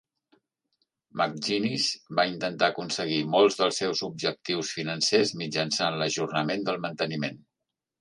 McGinnis va intentar aconseguir molts dels seus objectius financers mitjançant l'ajornament del manteniment.